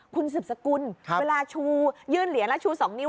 คุณสืบสกุลเวลาชูยื่นเหรียญแล้วชู๒นิ้ว